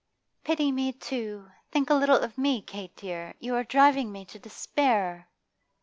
'Pity me, too! Think a little of me, Kate dear! You are driving me to despair.